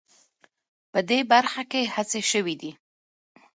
په دې برخه کې هڅې شوې دي